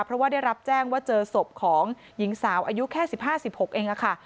เพราะว่าได้รับแจ้งว่าเจอศพของหญิงสาวอายุแค่๑๕๑๖เองค่ะ